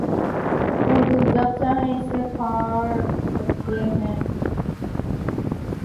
اوروہ جب چاہیں اسے پھاڑ سکتے ہیں۔